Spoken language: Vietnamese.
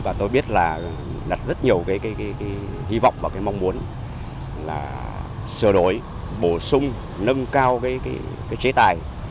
và tôi biết là đặt rất nhiều cái hy vọng và cái mong muốn là sửa đổi bổ sung nâng cao cái chế tài